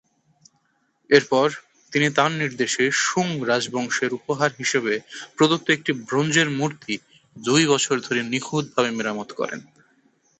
এরপর তিনি তার নির্দেশে সুং রাজবংশের উপহার হিসেবে প্রদত্ত একটি ব্রোঞ্জের মূর্তি দুই বছর ধরে নিখুঁত ভাবে মেরামত করেন।